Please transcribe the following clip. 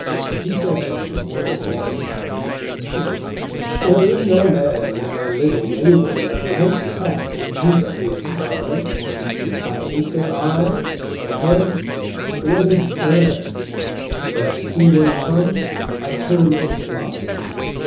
He sang or said: _There is no man now living anywhere Who hates cats with a deeper hate than I; I hate their eyes, their heads, the way they stare, And when I see one come, I turn and fly_.